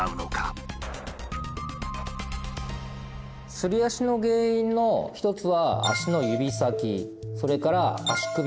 すり足の原因の一つは足の指先それから足首部分